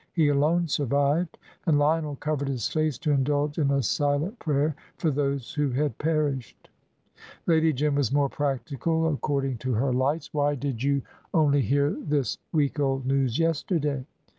He alone survived"; and Lionel covered his face to indulge in a silent prayer for those who had perished. Lady Jim was more practical according to her lights. "Why did you only hear this week old news yesterday?"